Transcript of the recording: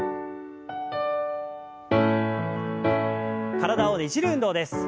体をねじる運動です。